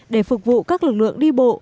để phục vụ các lực lượng đi bộ